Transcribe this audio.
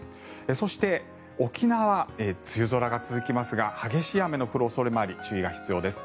そして沖縄は梅雨空が続きますが激しい雨の降る恐れもあり注意が必要です。